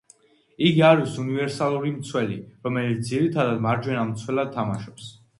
იგი არის უნივერსალური მცველი, რომელიც ძირითადად მარჯვენა მცველად თამაშობს.